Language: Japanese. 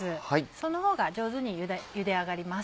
そのほうが上手にゆで上がります。